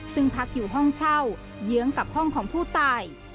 ซึ่งพักอยู่ห้องเช่าเยื้องกับห้องของผู้ตาย